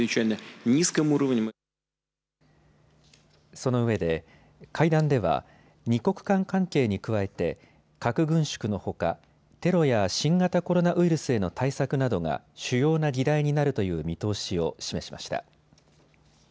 そのうえで会談では２国間関係に加えて核軍縮のほかテロや新型コロナウイルスへの対策などが主要な議題になるという見通しを示しました。